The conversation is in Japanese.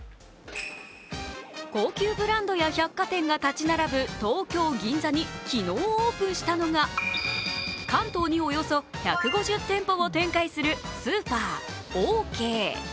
高級ブランドや百貨店が建ち並ぶ東京・銀座に昨日オープンしたのが関東におよそ１５０店舗を展開するスーパー・オーケー。